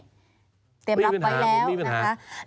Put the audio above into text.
เต็มรับไว้แล้วนะคะแล้วเรื่องของความอันตรายแล้วมีปัญหามีปัญหา